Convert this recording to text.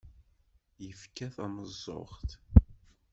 Yefka tameẓẓuɣt.